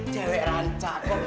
oh oleh oleh waktu itu